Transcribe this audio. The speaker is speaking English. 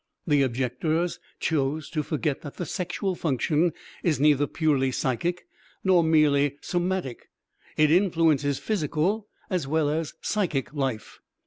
The objectors chose to forget that the sexual function is neither purely psychic nor merely somatic. It influences physical as well as psychic life.